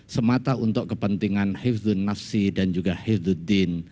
semata untuk kepentingan hifzud nafsi dan juga hifzud din